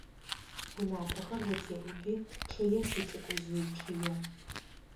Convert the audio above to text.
УнапӀэхэр зэтеӀуби, чъые сицӀыкӀужъый, чъые.